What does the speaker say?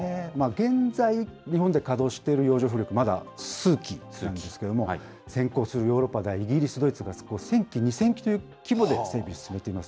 現在、日本で稼働している洋上風力、まだ数基なんですけれども、先行するヨーロッパでは、イギリス、ドイツが１０００基、２０００基という規模で整備を進めています。